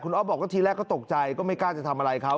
ออฟบอกว่าทีแรกก็ตกใจก็ไม่กล้าจะทำอะไรเขา